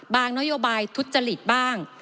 นโยบายทุจริตบ้าง